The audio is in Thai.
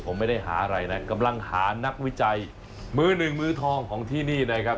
ผมไม่ได้หาอะไรนะกำลังหานักวิจัยมือหนึ่งมือทองของที่นี่นะครับ